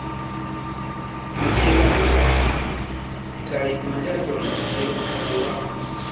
Metiarto kaj manĝaĵoj de Haŭraman